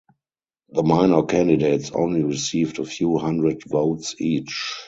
The minor candidates only received a few hundred votes each.